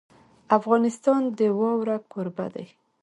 افغانستان د واوره کوربه دی.